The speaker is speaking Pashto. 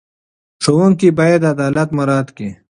ښوونکي باید عدالت مراعت کړي.